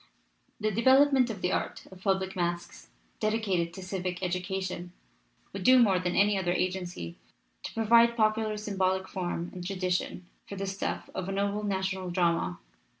The development of the art of public masques, dedicated to civic education, would do more than any other agency to provide popular symbolic form and tradition for the stuff of a noble national drama.